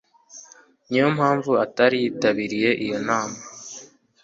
Niyo mpamvu atari yitabiriye iyo nama